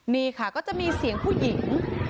นี่ค่ะก็จะมีเสียงผู้หญิง